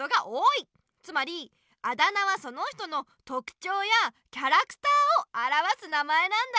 つまりあだ名はその人のとくちょうやキャラクターをあらわす名前なんだ。